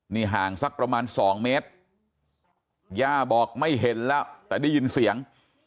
นี่ห่างสักประมาณ๒เมตรย่าบอกไม่เห็นแล้วแต่ได้ยินเสียง